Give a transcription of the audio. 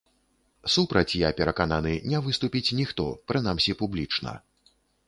Супраць, я перакананы, не выступіць ніхто, прынамсі, публічна.